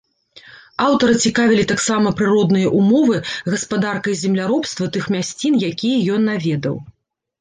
Аўтара цікавілі таксама прыродныя ўмовы, гаспадарка і земляробства тых мясцін, якія ён наведаў.